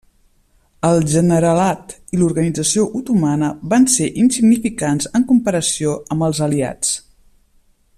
El generalat i l'organització otomana van ser insignificants en comparació amb els Aliats.